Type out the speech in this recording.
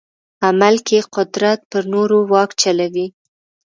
عمل کې قدرت پر نورو واک چلوي.